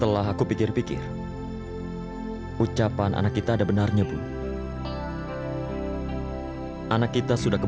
loh kok gitu sih